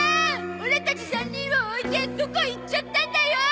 オラたち３人を置いてどこ行っちゃったんだよ！